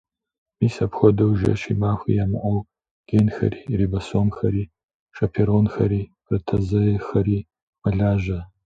Мис апхуэдэу жэщи махуи ямыӏэу генхэри, рибосомэхэри, шэперонхэри, протеазэхэри мэлажьэ.